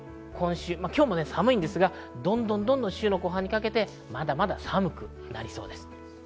今日も寒いですが、どんどん週の後半にかけてまだまだ寒くなりそうです。